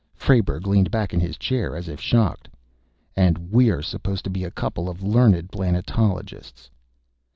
Frayberg leaned back in his chair as if shocked. "And we're supposed to be a couple of learned planetologists!"